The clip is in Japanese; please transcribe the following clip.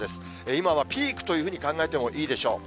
今はピークというふうに考えてもいいでしょう。